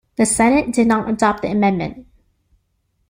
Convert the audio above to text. The Senate did not adopt the amendment.